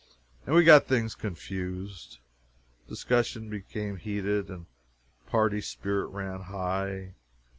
And we got things confused. Discussion became heated, and party spirit ran high.